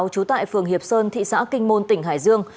trú tại phường hiệp sơn thị xã kinh môn tỉnh hải dương